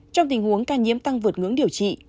trong tình huống ca nhiễm tăng vượt ngưỡng điều trị